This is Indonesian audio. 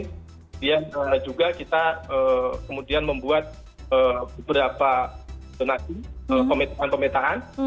kemudian juga kita kemudian membuat beberapa donasi pemetaan pemetaan